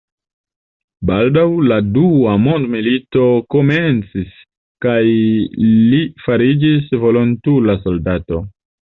Baldaŭ la dua mond-milito komencis kaj li fariĝis volontula soldato.